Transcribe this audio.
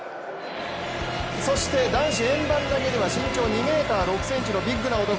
そして男子円盤投げでは身長２ｍ６ｃｍのビッグな男